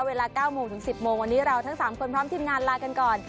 เวลา๙โมงถึง๑๐โมงวันนี้เราทั้ง๓คนพร้อมทีมงานลากันก่อน